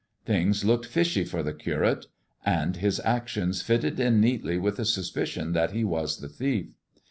Things »oked fishy for the Curate, and his actions fitted in neatly ith the suspicion that he was the thief.